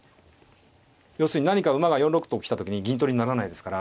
要するに何か馬が４六とか来た時に銀取りにならないですから。